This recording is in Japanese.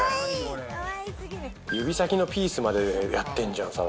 指先のピースまでやってんじゃん。